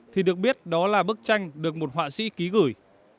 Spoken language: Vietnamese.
thì được biết đó là bức tranh được một họa sĩ ký gửi